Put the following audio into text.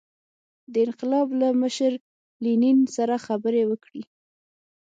د انقلاب له مشر لینین سره خبرې وکړي.